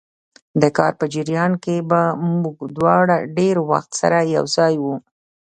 د کار په جریان کې به موږ دواړه ډېر وخت سره یو ځای وو.